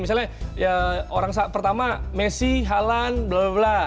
misalnya orang pertama messi haalan bla bla bla